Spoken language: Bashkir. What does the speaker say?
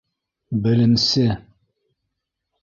Белемсе!